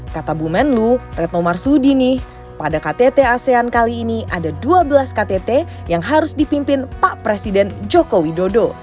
kata bu menlu retno marsudi nih pada ktt asean kali ini ada dua belas ktt yang harus dipimpin pak presiden joko widodo